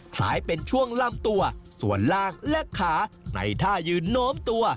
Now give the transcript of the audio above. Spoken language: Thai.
คล้ายเป็นช่วงลำตัวส่วนล่างและขาในท่ายืนโน้มตัว